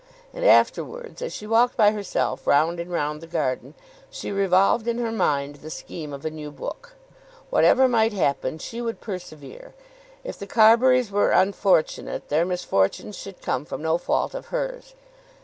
And afterwards, as she walked by herself round and round the garden, she revolved in her mind the scheme of a new book. Whatever might happen she would persevere. If the Carburys were unfortunate their misfortunes should come from no fault of hers.